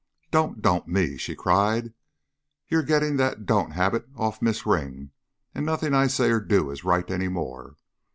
"Don't 'don't' me!" she cried. "You're gettin' the 'don't' habit off Miz' Ring an' nothin' I say or do is right any more.